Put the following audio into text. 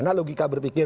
pertama logika berpikir